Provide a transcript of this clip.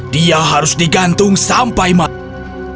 dia harus digantung sampai mati